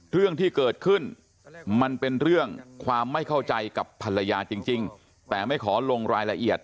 เรื่องที่เกิดขึ้นมันเป็นเรื่องความไม่เข้าใจกับภรรยาจริงแต่ไม่ขอลงรายละเอียด